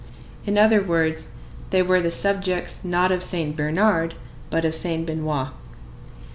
In other words, they were the subjects, not of Saint Bernard, but of Saint Benoît.